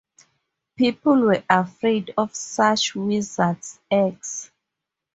People were afraid of such wizard's eggs.